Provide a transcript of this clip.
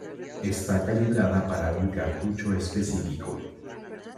Está calibrada para un cartucho específico.